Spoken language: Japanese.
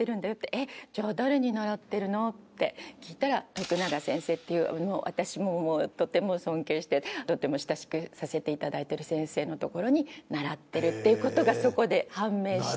「えっじゃあ誰に習ってるの？」って聞いたら徳永先生っていう私ももうとても尊敬してとても親しくさせて頂いてる先生のところに習ってるっていう事がそこで判明して。